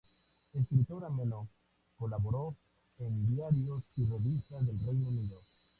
Escritor ameno, colaboró en diarios y revistas del Reino Unido.